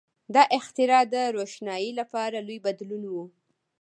• دا اختراع د روښنایۍ لپاره لوی بدلون و.